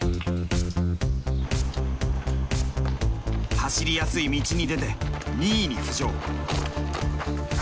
走りやすい道に出て２位に浮上。